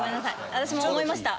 私も思いました。